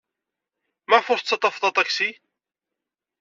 Maɣef ur tettaḍḍafed aṭaksi?